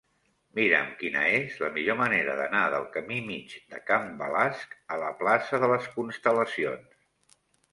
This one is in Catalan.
Mira'm quina és la millor manera d'anar del camí Mig de Can Balasc a la plaça de les Constel·lacions.